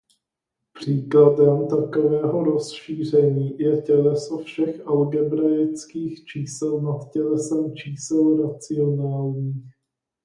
Příkladem takového rozšíření je těleso všech algebraických čísel nad tělesem čísel racionálních.